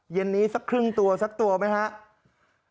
เย็นนี้สักครึ่งตัวสักตัวไหมครับ